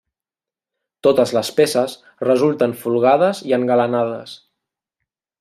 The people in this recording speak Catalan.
Totes les peces resulten folgades i engalanades.